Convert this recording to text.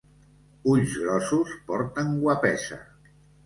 Ulls grossos porten guapesa.